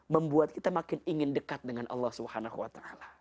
membuat kita makin ingin dekat dengan allah swt